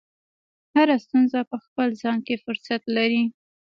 هره ستونزه په خپل ځان کې فرصت لري.